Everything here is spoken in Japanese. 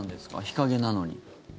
日陰なのに。